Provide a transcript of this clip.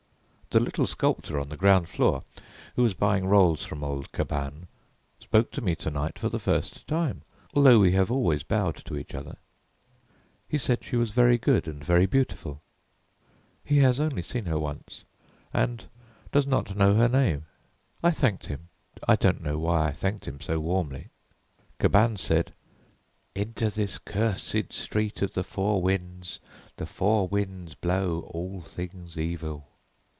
The little sculptor on the ground floor, who was buying rolls from old Cabane, spoke to me to night for the first time, although we have always bowed to each other. He said she was very good and very beautiful. He has only seen her once, and does not know her name. I thanked him; I don't know why I thanked him so warmly. Cabane said, 'Into this cursed Street of the Four Winds, the four winds blow all things evil.'